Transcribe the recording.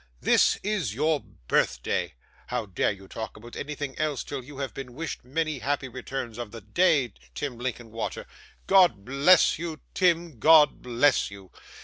This is your birthday. How dare you talk about anything else till you have been wished many happy returns of the day, Tim Linkinwater? God bless you, Tim! God bless you!